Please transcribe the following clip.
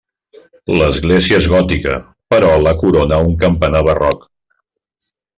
L'església és gòtica però la corona un campanar barroc.